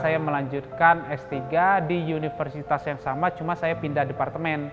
saya melanjutkan s tiga di universitas yang sama cuma saya pindah departemen